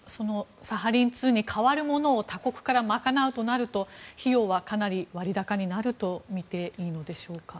サハリン２に代わるものを他国から賄うとなると費用はかなり割高になると見ていいのでしょうか。